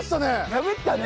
破ったね！